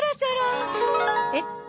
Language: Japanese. えっ？